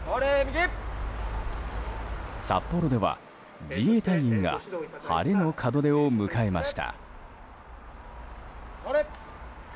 札幌では、自衛隊員が晴れの門出を迎えました。